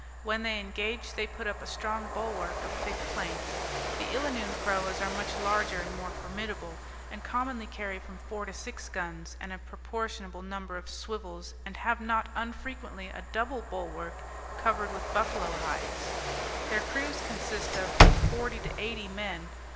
When they engage, they put up a strong bulwark of thick plank; the Illanoon proas are much larger and more formidable, and commonly carry from four to six guns, and a proportionable number of swivels, and have not unfrequently a double bulwark covered with buffalo hides; their crews consist of from forty to eighty men.